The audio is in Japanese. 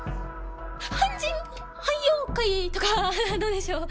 『半人半妖怪』とかどうでしょう？